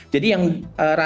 jadi yang rancang